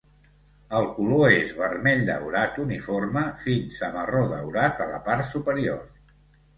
El color és vermell daurat uniforme fins a marró daurat a la part superior.